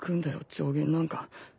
上弦なんか。